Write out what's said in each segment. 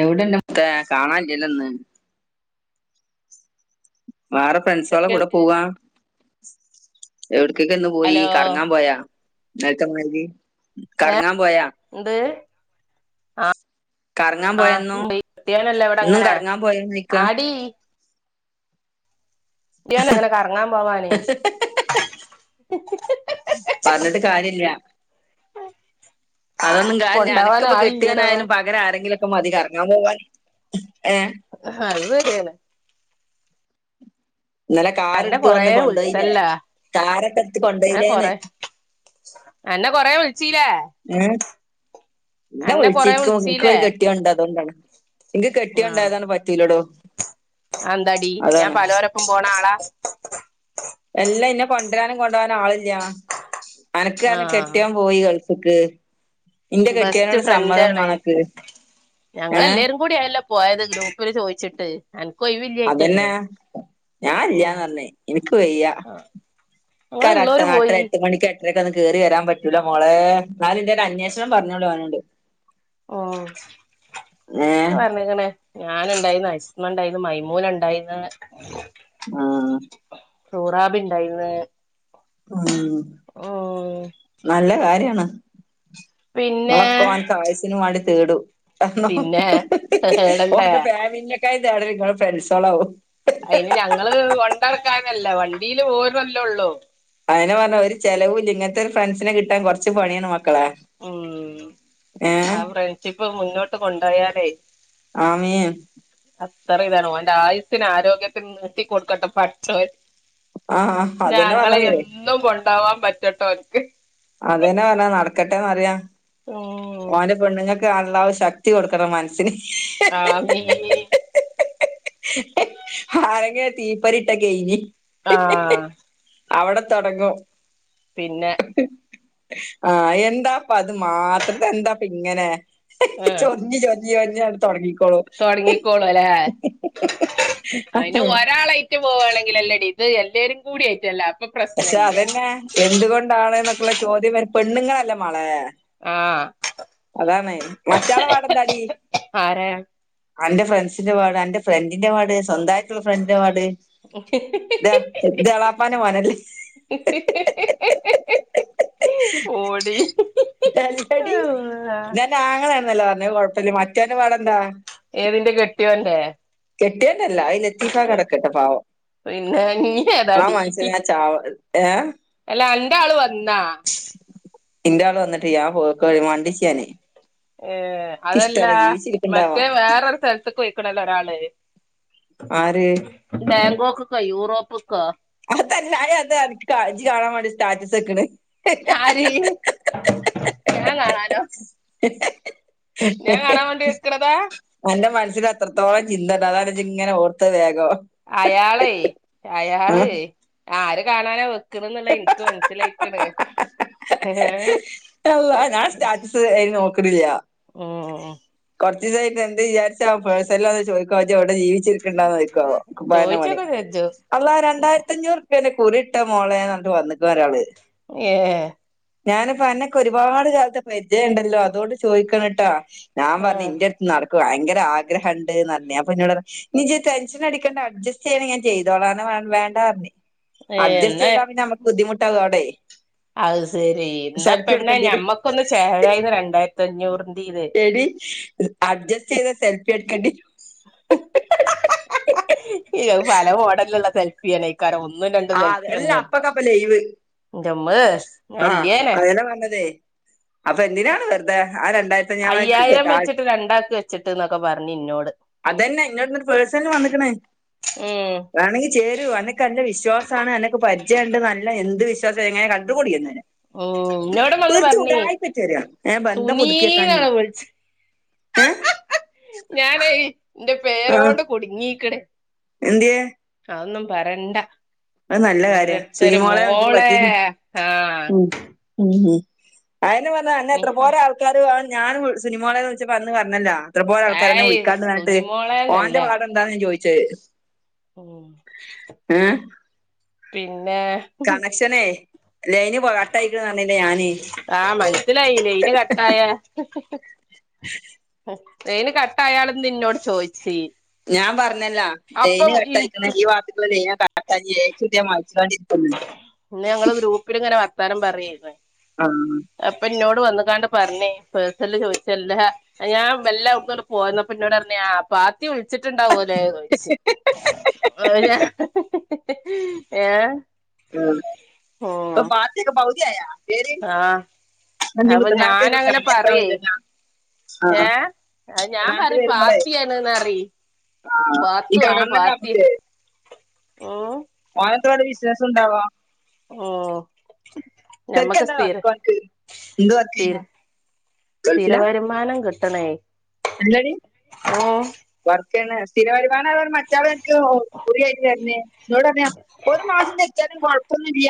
എവ്‌ടെല്ലെ മുത്തേ കാണാല്ലല്ലൊ ന്ന്. വാറെ ഫ്രണ്ട്സോള എന്തൊക്കെ കൂടെ പോവാ. യൊട്ക്കക്കേ ന്ന് പോയി ഹലോ കർങ്ങാ പോയാ ന്നൽത്തെ മാതിരി കർങ്ങാ പോയാ. ന്ത്. ആഹ് കറങ്ങാൻ ആഹ് പോയെന്നോ പോയി ട്യേനല്ല ഇന്നും വടങ്ങന കറങ്ങാൻ പോയെന്ന് ചോദിക്കാ ആടീ. ട്ട്യാല്ങ്ങനെ കർങ്ങാ പോവാനേ. പർഞ്ഞ്ട്ട് കാര്യല്ല. അതൊന്നും കാര്യല്ല കൊണ്ടാവാൻ അനക്ക്പ്പ ആളില്ലടോ കെട്ട്യോനായാലും പകര ആരെങ്കിലൊ ക്ക മതി കർങ്ങാം പോവാന് ഏഹ്. അയ് സര്യാണ്. ന്നലെ അന്നെ കാറ്ട്ത്ത് കൊറേ വന്ന് കൊണ്ടോയിലേ വിളിച്ചല്ലാ കാറൊക്കെട്ത്ത് അന്നെ കൊണ്ടോയിലേന്ന്. കൊറേ അന്നെ കൊറേ വിൾച്ചീലേ. ഏഹ് ന്നെ കൊറേ വിൾച്ചിക്കു വിളിച്ചീലേ ഇക്കൊര് കെ ട്ട്യോണ്ട് അതോണ്ടാണ് ഇൻക്ക് കെട്ട്യോണ്ടായതാണ് പറ്റീലടോ. അ അന്താടി ഞാ പലോരൊപ്പം പോണ ആളാ. അല്ല ഇന്നെ കൊണ്ടരാനും കൊണ്ടോവാനും ആളില്ല അനക്ക് അൻ്റെ ആഹ് കെട്ട്യോം. പോയി ഗൾഫ്ക്ക് ഇന്റെ ബെസ്റ്റ് കെട്ട്യോനോട് സമ്മതം ഫ്രണ്ടാണ് മാണക്ക് ഏഹ്. കൂടിയായല്ലൊ പോയത് ഗ്രൂപ്പ്ല് ചോയ്ച്ച്ട്ട്. അതന്നെ ഞാ ഉം ഇല്ല്യാന്നർഞ്ഞ് ഇനിക്ക് വയ്യ. ആഹ് കരട്ട ഞങ്ങളുള്ളോര് ആട്ടര പോയി എട്ട് മണിക്കെ രക്കെന്ന് കേറി വരാം പറ്റൂല മോളേ ന്നാലും ൻ്റെ രൊന്വേഷണം പർഞ്ഞോളി ഓനോട്. ഓഹ് ഏഹ് ക്കെ പർഞ്ഞ്ക്ക്ണ്. ഞാന്ണ്ടായ്ന്ന് അയ്സ്മ ണ്ടായ്ന്നു മൈമൂന ണ്ടായിന്ന്. ആഹ്. സൂറാബിണ്ടായ്ന്ന്. ഉം നല്ല കാര്യാണ്. പിന്നെ ങ്ങളൊക്കോൻക് ആയുസിന് മാണ്ടി തേടും. അന്നൊ പിന്നെ ഏടണ്ടേ ഓൻ്റെ ഫാമിലിനെക്കായും തേടല് ങ്ങള് ഫ്രണ്ട്സോളാവും. അയ്ന് ഞങ്ങള് കൊണ്ടട്ക്കാനല്ല വണ്ടീല് പോർണല്ലൊള്ളൂ. അതന്നെ പർഞ്ഞ ഒരു ചെലവുല്ല ഇങ്ങൻത്തെ ഒരു ഫ്രണ്ട്സിനെ കിട്ടാൻ കൊർച്ച് പണ്യാണ് മ ഉം ആ ഫ്രണ്ട്ഷിപ്പ് മുന്നോട്ട് കൊണ്ടോയാലേ. ആമീം. അത്തറി താണ് ഓൻ്റെ ആയുസിനും ആരോഗ്യത്തിനും നീട്ടി കൊട്ക്കട്ടെ പട്ച്ചോൻ. ആഹ് അതന്നെ ഞ്ഞാങ്ങളെ പറഞ്ഞത് എന്നും കൊണ്ടോവാ പറ്റട്ടോൻക്ക്. അതന്നെ പർഞ്ഞ നട്ക്കട്ടെന്നറ്യ. [inaudible] ഓൻ്റെ പെണ്ണ്ങ്ങക്ക് അള്ളാഹു ശക്തി കൊടുക്കണം മൻസ്സിന്. ആമീൻ. ആരെങ്കി ഒര് തീപ്പൊരിട്ടാ കെയ്ഞ്ഞ്. ആഹ്. അവടെത്തൊട്ങ്ങും. പിന്നെ. ആഹ് എന്താപ്പത് മാത്രം തെന്താപ്പിങ്ങനെ. ചൊർഞ്ഞ് ചൊർഞ്ഞ് ചൊർഞ്ഞട് തൊട്ങ്ങിക്കൊളും. തൊട്ങ്ങിക്കോളു ലേ അയ്ന് ഒരാളെയ് ട്ട് പോവാണെങ്കിലല്ലെടി ഇത് എല്ലാരും കൂടൈറ്റല്ലെ പക്ഷെ അതന്നെ എന്തുകൊണ്ടാണ് എന്നൊക്കെയുള്ള ചോദ്യം വരും പെണ്ണുങ്ങളല്ല മളെ ആഹ് അതാണ് മറ്റാളെ പാടന്താടി ആരാ അന്റെ ഫ്രണ്ട്സിന്റെ പാട് അന്റെ ഫ്രണ്ടിന്റെ പാട് സ്വന്തയിട്ടുള്ള ഫ്രണ്ടിൻ്റെ പാട് ത്എ ത്എളാപ്പാൻ്റെ മോനല്ലെ [inaudible] ഓടി [inaudible] അല്ലടി ത് അൻ്റ ആങ്ങളേണെന്നല്ലെ പറഞ്ഞയ് അത് കൊഴപ്പല്ല മറ്റോൻ്റെ പാടെന്താ ഏതിന്റെ കെട്ടിയോൻ്റെ കെട്ടിയോൻ്റല്ല ലത്തീഫാക്ക അവ്ടെക്കട്ടെ പാവം പിന്നെ നീ ആ ഏതാടി മന്സനെ ചാവട് ഏ അല്ല അന്റെ ആള് വന്നാ ഇന്റെ ആള് വന്നിട്ട്യ്യ ആ പോക്കോഴി ഏ- മണ്ടിച്ചാനേ ഏ അതല്ല ജീവിച്ചിരിക്കണ്ടാവാ മറ്റേ വേറരു സ്ഥലത്ത്ക്ക് പൊയ്ക്കണല്ലൊ ഒരാള് ആര് ബാങ്കോക്ക്ക്കൊ യൂറോപ്പ്ക്കൊ അതല്ല അയ് എന്താറി ജ് കാണ് കാണാൻ വേണ്ടി സ്റ്റാറ്റസെക്ക്ണ് ആര് ഞാൻ കാണാനോ? ഞാൻ കാണാൻ വേണ്ടി വെക്കണതാ അന്റെ മൻസ്സില് അത്രത്തോളം ചിന്തണ്ട് അതാണ് ജ് ങ്ങനെ ഓർത്തത് വേഗം അയാളെയ് ആ. അയാളെയ് ആര് കാണാനാ വെക്കണന്നുള്ള ഇൻക്ക് മനസ്സിലായി ക്ക്ണ് അള്ളാഹ് ഞാൻ സ്റ്റാറ്റ്സ് അയ്ന് നോക്ക്ണില്ല ഉം കൊർച്ച് ദിവസയിട്ട് എന്ത് വിചാരിച്ചാവം പേഴ്സനല് വന്ന് ചോയ്ക്കോവം ജ് എവ്ടെ ജീവി ച്ചിരിക്ക്ണ്ടാന്ന് ചോയ്ക്കോവോ അപ്പൊ അയെന്നെ മണി ചോയിച്ചൊക്കെ ചോദിച്ചു അള്ളാ രണ്ടായിരത്തഅഞ്ഞൂറ് പിന്നെ കുറിട്ട മോളെ ന്നർഞ്ഞിട്ട് വന്ന്ക്ക ഒരാള് ഏ ഞാനിപ്പോ അന്നെക്കെ ഒരുപാട് കാൽത്ത പരിചയം ണ്ടല്ലോ അതുകൊണ്ട് ചോദിക്കാണ് ട്ടാ ഞാൻ ആ പർഞ് ഇന്റെ നടക്കുവ ഭയങ്കര ആഗ്രഹംണ്ട്ന്ന് ർഞ് അപ്പൊ ന്നോട്റിയ നി ജ് ടെൻഷൻ അടിക്കണ്ട അഡ്ജസ്റ്റ് ചെയ്യണെങ്കി ഞാൻ ചെയ്തോളാർഞ് ഞ്ഞാ വാൻ വേണ്ടാർഞ്ഞു ഏ അഡ്ജസ്റ്റ് എന്നാ ചെയ്താ പിന്നെ മ്മക്ക് ബുദ്ധിമുട്ടാവു അവ്ടെയ് അത് ശെരി ന്ന പെണ്ണെ വരും ഞമ്മക്കൊന്ന് ചേരായ്ന്ന് രണ്ടായിരത്തി അഞ്ഞൂറിന്റീത് എടീ അഡ്ജസ്റ്റ് ചെയ്ത സെൽഫിട്ക്കെടി അത് പല മോഡലുള്ള സെൽ പ്പി അനെയ്ക്കാരം ഒന്നും രണ്ടും ആ സെൽപ്പിന്നും അല്ല അപ്പക്കപ്പ ലൈവ് ന്റെമ്മ് ഞ്ഞാല്യേനെ [inaudible] അപ്പന്തിനാണ് വെർതെ ആ രണ്ടായ്രത്ത ഞ്ഞാമ ൻക്ക് അയ്യായിരം തന്നാളി വെച്ചിട്ട് രണ്ടാക്ക് വെച്ചിട്ട് എന്നൊക്കെ പറഞ്ഞ് ഇന്നോട് അതന്നെ ഇന്നോട്ന്ന്ട്ട് പേഴ്സൻല് വന്ന്ക്ക്ണ് ഉം ചേരൂ അന്നെക്കെല്ല വിശ്വാസാണ് അന്നക്ക് പരിചയണ്ട് നല്ല എന്ത് വിശ്വാസ എങ്ങനെ കണ്ടുകൂടില്ലന്നെ ഉം ഇന്നോടും വന്ന് വെർതെ പറഞ്ഞ് ഉടായ്പ്പേറ്റ് വെര ഏ ബന്ധം പുതുക്കിയക്കാനെയ് സുനീന്നാണ് വിളിച്ച് ഏ ഞാനയ് ന്റെവീ ആഹ് കുട്ങ്ങീക്ക്ണ് എൻന്ത്യാ അതൊന്നും പറണ്ട നല്ല കാര്യ ഓരോര്ത്തര് സുനിമോളെ വിളിച്ചിട്ട് മോളെ പറ്റിയിട്ട് ആ ഉം അന് വന്നാ അന്നെ എത്ര നിഹ പോരാ ആൾക്കാര് ഞാൻ സിനിമോളെ എന്ന് വിളിച്ചപ്പോ അന്ന് വന്നല്ലോ എത്രപോലെ ആൾക്കാര് എന്നെ ഏയ് വിളിക്കാണ്ട് വന്നിട്ട് സുനിമോളേന്നല്ല ഓന്റെ പാടം എന്താ ഞാൻ ചോദിച്ചത് ഉം ഏഹ് പിന്നെ കണക്ഷനേ ലൈന് പോക ആഹ് മനസ്സിലായിനെ ലൈന് കട്ടായ ലൈന് കട്ടായാളന്ന് നിന്നോട് ചോദിച്ചി ഞാൻ പറഞ്ഞല്ലാ ലൈന് കെട്ടയക്കുന്ന ഇൻക്ക് ഈ വാർഡിക്കുള്ള ലൈന കട്ടായിക്കണഏച്ച് കെട്ടിയ മൊയിച്ചു ങ്ങാണ്ടിരിക്കും ഇന്ന ഞങ്ങള് ഗ്രൂപ്പിൽ ഇങ്ങനെ വർത്താനം പറയായിരുന്നു ആം അപ്പൊ ഇന്നോട് വന്ന കാണ്ട് പറഞ്ഞേ പേഴ്സല് ചോദിച്ചല്ല ഞാൻ വെല്ലെ അവടെന്ന്പോന്നപ്പോ ഇന്നോട് പറഞ്ഞെ പാത്തി വിളിച്ചിട്ടുണ്ടാവോ ലേ ചോയിച്ച് ഓല ഹ ഹഹ ഏ ഉ ഉം പാത്തിക്കെ പൗതി ആയ ആഹ് അപ്പൊ ഞാന വരുമ്പോ അങ്ങനെ കാണാതിരിക്കാൻ പറയേ പറ്റില്ല ആഹ് ഏഹ് അയ്ഞാൻ കുത്തനാൾക്ക് പറയേ വരുമ്പളേ പാത്തിയാണ് പറി ആഹ് ഈ പാത്തു ആണേ കാണണല്ലോ പാത്തി ഓ ഓനന്താവടെബിസിനസ് ഉണ്ടാവാ ഉം ഞമ്മക്ക് ശെർക്ക്എന്താ സ്ഥിര വർക്ക് ഒന്ക്ക് എന്ത് വർക്ക് സ്ഥിര ചെയ്യനെ സ്ഥിര വരുമാനം കിട്ടണേ എന്താടി ഉം വർ ക്കാണ്സ്ഥിര വരുമാനം മറ്റെ ആള് അനക്ക് ഫ്രീയായിട്ട് തരന്നേ എന്നോട് പറ ഒരു മാസം തെറ്റി ആലും കൊഴപ്പൊന്നുല്ല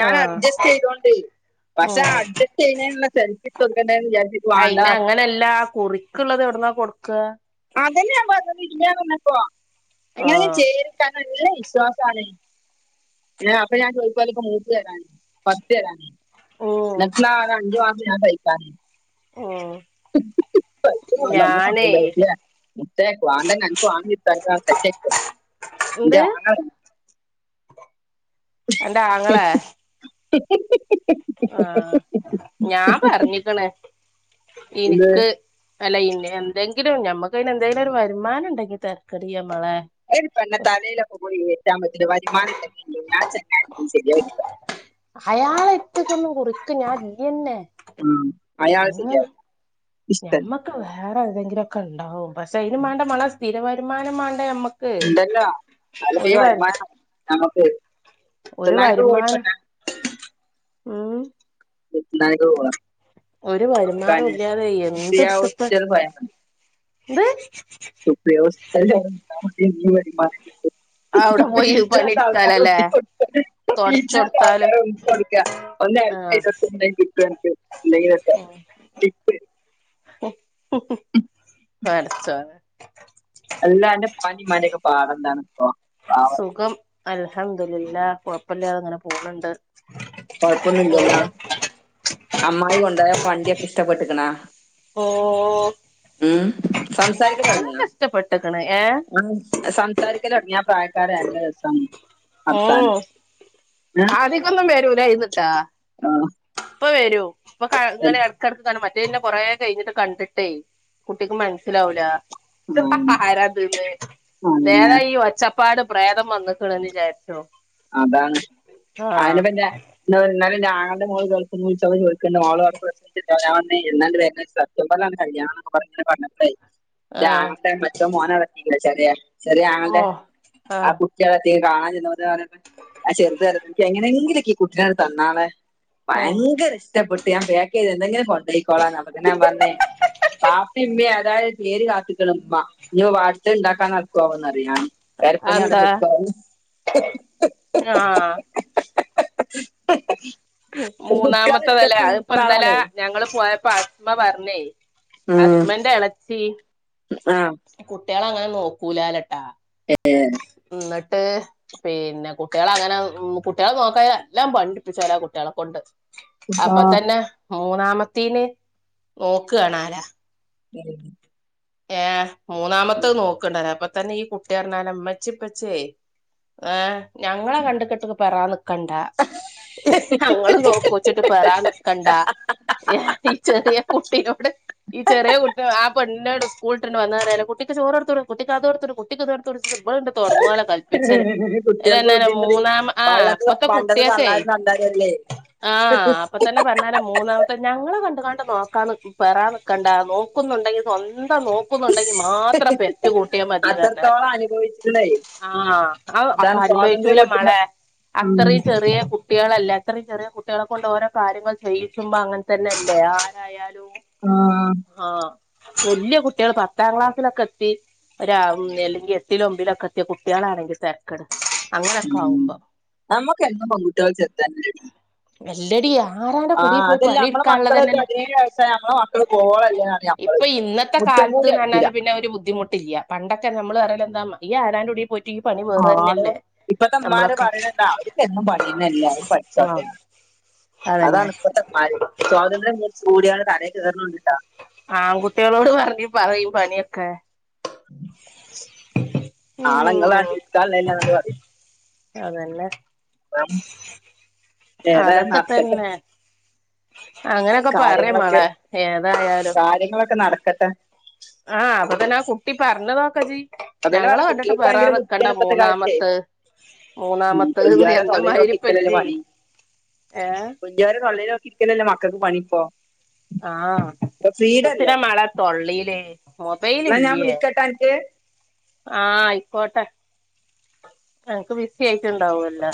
ഞാൻ ആഹ് അഡ്ജസ്റ്റ് ചെയ്തൊണ്ട് പക്ഷെ ഉം ആ അഡ്ജസ്റ്റ് ചെയ്യുള്ള സെൽഫി എടുത്ത് കൊടുക്കണ്ടേന്ന് വിചാരിച്ച് അയിന അങ്ങനെയല്ല കുറിക്കുള്ളത് എവിടുന്നാ കൊടുക്കാ അതന്നെയ ഞാൻ പറഞ്ഞന്നപ്പോ എങ്ങനെ ആഹ് ചേര് എന്നെ വിശ്വാസാണ് ഞ അപ്പൊ ഞാൻ ചോദിക്കാല ഇപ്പ മൂപ്പ് വരാണ് പർച്ച് തരാൻ ഉം നിനക്ക് ഞാൻ അഞ്ച് ആറ് ഞാൻതൈക്കായ്രുന്ന് ഓ [unintelligible] ഒന്നും കൊണ്ടുന്നില്ല കൊണ്ടുന്നില്ല ഉമ്മച്ചിയേ മുത്തേ പ്ലാന്റ് അനക്ക് വാങ്ങി തരാം സെറ്റാക്കി തരാൻ ഇന്റെ എന്ത് ആങ്ങള അന്റെ അങ്ങളെ [unintelligible] ആഹ് ഞാൻ പറഞ്ഞിക്കണ് എന്ത് ഇനിക്ക് അല്ല ഇന്ന എന്തെങ്കിലും ഞമ്മക്ക് എന്തെങ്കിലും ഒരു വരുമാനം ഉണ്ടെങ്കിൽ തരക്കേടില്ല മാളെ അയ്ന് പെണ്ണതലയിലൊക്കെകൂടി കയറ്റാൻ പറ്റൂല്ലവരുമാനം ഉണ്ടങ്കില് തന്നെ ആചെങ്ങായി ഒന്നും ശരിആവില്ല അയാള്ട്ട്ക്ക് കൊടുക്ക് ഞാൻ ഇയ്യന്നെ ഉം. അയാൾ എങ്ങ ശരിയാവില്ല ഇഷ്ടല്ല ഞമ്മക്ക് വേറെ തെങ്കിലുംക്കെ ഉണ്ടാവും പക്ഷെ അയിന് മാണ്ടേ മാളെസ്ഥിര വരുമാനം മാണ്ടേ നമ്മക്ക് ഉണ്ടല്ലോ അതല്ലെപ്പോ ഈ വരുമാന ഞമ്മക്ക് ഒരു വരുമാനം ഉ ഉണ്ടാക്കി കൊടുക്കണം ഒരു വരുമാനം ഇല്ലാതെ എന്ത്ട്ത്താഎന്ത് ഹോസ്പിറ്റലിൽ പോയാൽ - വ്യവസ്ഥയിലാണ്ട് നിന്നാ മതി നല്ല വരുമാനം കിട്ടും. അവിടെ പോയി ഈജാതി ആൾക്കാർ പണിയെടുത്താലല്ലേ ഉന്തി കൊടുക്ക ഈ ജാതി തൊടച്ചൊടുത്താലും ആൾക്കാര ഉന്തിക്കൊടുക്ക - ഒന്ന് ഹെൽപ്പ് ആഹ് ചെയ്ത് കൊടുത്ത് എന്തെങ്കിലും കിട്ട് അനക്ക് എന്തങ്കിലുംഒക്കെടിപ്പ് ഓ ഹൊ ഹൊപടചോനെ അല്ലാ അന്റെ ഇപ്പാന്റെ പാട്ന്താണ്ഇപ്പോ സുഖം അൽഹംദുലില്ല കൊഴപ്പില്ലാതെ അങ്ങനെ പോണണ്ട് കൊഴപ്പൊന്നുംല്ലല്ലോ അമ്മായി കൊണ്ടായ വണ്ടിയൊക്കെ ഇഷ്ടപ്പെട്ടകണോ ഓ ഉം സംസാരിക്കൻ തൊടങ്ങിയാ ഇഷ്ടപ്പെട്ട്ക്ക്ണ് ഏഹ് ആഹ് സംസാരിക്കൻ തുടങ്ങിയാ പ്രായക്കാര നല്ല രസാണ് വർത്തനം ഒന്നും വരൂലൈനി ട്ടോ ആഹ് ഇപ്പൊ വരു ഇപ്പൊ ഇങ്ങനെ എടക്കിടക്ക് തന്നെ മറ്റ ഇന്നെ കൊറേ കഴിഞ്ഞിട്ട് കണ്ടിട്ടേ കുട്ടിക്ക് മനസ്സിലാവൂല ആ, ആരാത്ന് ആ, പിന്നെ വെറെ ഈ ഒച്ചപ്പ - - പാട് പ്രേതം വന്ന്ക്ണ് വിചാരിച്ചും അതാണ് ആഹ് അയനെ പിന്നെ എന്ന ഇന്നാലുംന്റെ ആങ്ങളുടെ മോൾ ഗൾഫിന്ന്ച്ചപോ ചോദിക്കണ്ട് മോൾ അവിടെ ഞാറഞ്ഞു ഇന്നല്ലേ വരുന്നീസം. നക്കല്ലേ കല്യാണനൊക്കെ പറഞ്ഞെ. ഇ ആഹ് ആങ്ങളുടെ മച്ച മോന വളത്തിക്കല ചെറിയ ചെ ആങ്ങളുടെ ഓഹ് ആഹ് കു കുട്ടിയെവിടെ എത്തി കാണാൻ ചെന്നപ്പതിന്നോണ്. ആഹ് ചെറുത് പറ എനിക്ക് എങ്ങനെങ്കിലുംക്കെ കുട്ടിനെ തന്നാളാ ഓ ഭയങ്കര ഇഷ്ടപ്പെട്ടു. ഞാൻ പക്ക് ചെയ്ത് എന്തെങ്കിലും കൊണ്ട പോയിക്കോളാന്ന അപ്പോതെന് ഞാൻ പറഞ്ഞേ.. പാപ്പ ഇമ്മയെ അതായത് പേര് കാത്തിക്കണമ്മ ഇ അടുത്തദ് ഉണ്ടാക്കാൻ നടക്കവാന്ന്റിയൻ. പരപ്പണിയടെ അതെന്താ നിക്കായി ആഹ് ഹാ ഹ്ഹ്ഹ്ഹ്ഹ്ഹ്. മൂന്നാമത്തെ തല അതിപ്പോ ഇന്നലാ ആളാണേ ഞങ്ങങ്ങള് പോയപ്പോ അസ്മ പറഞ്ഞേ. അസ്മെന്റെ ഇളച്ചി ആഹ് കുട്ടികള അങ്ങനെ നോക്കൂലാലട്ടാ. ഏഹ് ഉം എന്നിട്ട് പിന്നെ കുട്ടികള അങ്ങനെ ഉം കുട്ടികളെ നോക്കാതെ എല്ലാം പണി എടുപ്പിച്ചെനെ കുട്ടികളെക്ക കൊണ്ട്. അപ്പൊ ആ തന്നെ മൂന്നാമത്തീന് നോക്കണാലാ [unintelligible] ഏഹ് മൂന്നാമത്ത നോക്കണ്ടന്നേ അപ്പൊ തന്നെ ഈ കുട്ടി പറഞ്ഞാല അമ്മച്ചി ഇപ്പച്ചിയെ ഞങ്ങളെ കണ്ട കെട്ട പെറാന ക്കണ്ടാ ഞങ്ങൾ നോക്കുച്ചിട്ട് പെറ നി നികണ്ടാ ഈ ചെറിയ കുട്ടിയോട് ഈ ചെറിയ കുട്ടി ആഹ് പെണ്ണിനോട് സ്കൂളട്ടണ്ട് വന്നലേറെ കുട്ടിക് ചോറൊടുത്ത കോട്അത് എടുത്കൊട് കുട്ടിക്ക് ഇദ് എടുത്ത്കൊട് ഇബൾ തൊടങ്ങൊലോ കല്പിച പ്പിച്ചല് ഇല്ല കുട്ടികൾക്ക് എന്ന ബുദ്ധിമുട്ടി മൂന്നാം ആഹ് പള്ളത് ഇപ്പത്തെ പണ്ടത് കുട്ടിയൊക്കെ തള്ളാരും തണ്ടാരും അല്ലേ ആഹ് അപ്പൊ തന്നെ പറഞ്ഞാല മൂന്നാമത്തെ.. ഇപ്പ ഞങ്ങള്ൾ കണ്ട് കണ്ട് നോക്കാൻ പെറാ നിക്കണ്ട നോക്കുന്നുണ്ടെങ്കി സ്വന്തം നോ ക്കുന്നുണ്ടെങ്കി മാത്രം പെറ്റ കൂട്ടിയ മതി പറഞ്ഞാല് അത്രത്തോളം അനുഭവിച്ചിട്ടുണ്ടേ ആഹ് അപ്പൊ അതാണ് സ്വാതന്ത്ര്യം അനുഭവിച്ചൂല മെള കൊടുത്തിട്ടുണ്ട് ഉം. അത്രയും ചെറിയകുട്ടി കുട്ടികളല്ല അത്രയും ചെറിയ കുട്ടികളെ കൊണ്ട് ഓരോ കാര്യങ്ങൾ ചെയിക്കുമ്പോ അങ്ങനെ തന്നെ അല്ലേ ആരായാലും. ആഹ് ആഹ് കൊല്ലും കുട്ടികൾ പത്താം ക്ലാസ്സിലൊക്കെ എത്തി ഒര് അല്ലെങ്കിൽ എട്ടിലൊൻമ്പിലൊക്കെ എത്തിയ കുട്ടികളാണെങ്കിൽ തര കട അങ്ങനെയൊക്കെ ആകുമ്പോ. ഞമ്മക്കെന്നും പെൺകുട്ടേൽ ചേരുത്ന്നെടി.. അല്ലടിയ ആഹ് അതല്ല നമ്മളെ മക്കൾ പതിനേഴു വയസായ നമ്മളെ മക്കള് പോകോ ഇല്ലിയോ അറിയാ ഇപ്പൊ ഇന്നത്തെ കാലത്ത്ന്ന് പറഞ്ഞാല് പിന്നെ ഒരു ബുദ്ധിമുട്ടില്ല. പണ്ടൊക്കെ നമ്മള് പറല്ല എന്താ ഈ ആരാന്റെൂടി പോയി ആടോ ഇപ്പത്തെമാര് നമ്മളൊക്കെ പറയുന്നണ്ടോ അവർക്ക്ന്നും പണിയുന്നല്ലേ അവര് ആഹ് പഠിച്ചോട്ടെ അതാണ് അതന്നെ ഇപ്പത്തെ കാൽ സ്വാതന്ത്ര്യം കൂടിയണ തലേകേരണ് ട്ടാ.. ആൺ കുട്ടികളോട് പറഞ്ഞ് പറയും പണിയൊക്കെ നാളെ ഇങ്ങള് [unintelligible] പറയും അതല്ലെ അപ്പം ഏതായാലും അതൊക്കെ നടക്കട്ടെ തന്നെ അങ്ങനെയൊക്കെ പറും കാര്യങ്ങളൊക്കെ മാളെ ഏതായാലും കാര്യങ്ങളൊക്കെ നടക്കട്ടെ ആഹ് അപ്പൊ തന്നെ ആ കുട്ടി പറഞ്ഞതോക്കെ ജി അതന്നെ ഞങ്ങളെ പറഞ്ഞെ കണ്ടിട്ട് കുട്ടികൾക്ക് പെറാൻ ഭയങ്കര നിക്കണ്ട ബുദ്ധിയാണ് ഇപ്പത്തെ കാലത്തെ മൂന്നാമത്ത് ഉം മൂന്നാമത്ത വല്ല്യോരെ തൊള്ളേല് നോക്കിയിരിക്കലല്ലേ എന്നാമയിരിപ്പജ്ജി പണി ഏ വല്ല്യോരെ തൊള്ളീ നോക്കി ഇരിക്കലല്ലേ മക്കൾക്ക് പണിയിപ്പോ ആഹ എത്തിന അല്ലേ മളെ തൊള്ളീൽ മൊബൈൽ എന്നാ ഞാൻ ഇല്ലേ വിളിക്കട്ടാ അൻക്ക് ആ ആയിക്കോട്ടെ അനക്ക് ബിസി ആയിട്ടുണ്ടാവും അല്ലോ